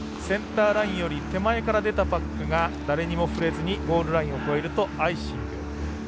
センターラインより手前から出たパックが誰にも触れずにゴールラインを越えるとアイシング。